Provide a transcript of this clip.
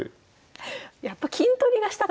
やっぱ金取りがしたかったのか。